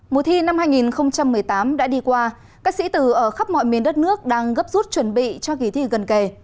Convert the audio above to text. mùa thi năm hai nghìn một mươi tám đã đi qua các sĩ tử ở khắp mọi miền đất nước đang gấp rút chuẩn bị cho kỳ thi gần kề